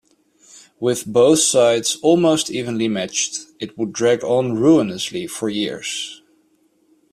With both sides almost evenly matched, it would drag on ruinously for years.